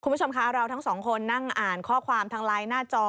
คุณผู้ชมคะเราทั้งสองคนนั่งอ่านข้อความทางไลน์หน้าจอ